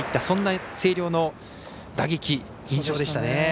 そんな星稜の打撃、印象でしたね。